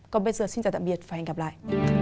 còn bây giờ xin chào tạm biệt và hẹn gặp lại